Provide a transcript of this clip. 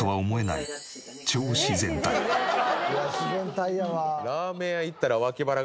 いや自然体やわ。